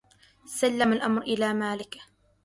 سلم الأمر إلى مالكه